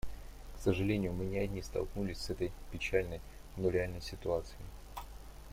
К сожалению, мы не одни столкнулись с этой печальной, но реальной ситуацией.